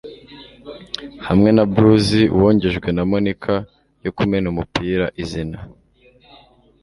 hamwe na blues-wogejwe na moniker yo kumena umupira, izina